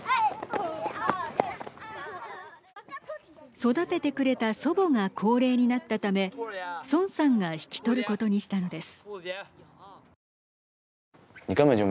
育ててくれた祖母が高齢になったため孫さんが引き取ることにしたのです。